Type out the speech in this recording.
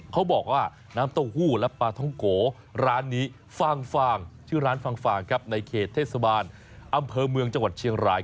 เขาบอกว่าน้ำเต้าหู้และปลาท้องโกร้านนี้ฟางฟางชื่อร้านฟางฟางครับในเขตเทศบาลอำเภอเมืองจังหวัดเชียงราย